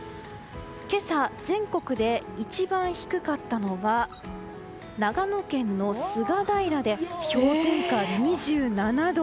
今朝、全国で一番低かったのは長野県の菅平で氷点下２７度。